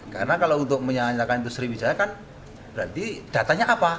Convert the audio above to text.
karena kalau untuk menyalahkan itu sriwijaya kan berarti datanya apa